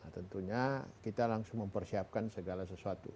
tentunya kita langsung mempersiapkan segala sesuatu